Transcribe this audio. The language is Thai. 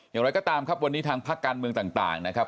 อย่างไรก็ตามครับวันนี้ทางพักการเมืองต่างนะครับ